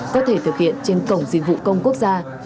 có thể thực hiện trên cổng dịch vụ công quốc gia